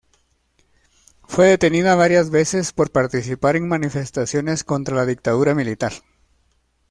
Fue detenida varias veces por participar en manifestaciones contra la dictadura militar.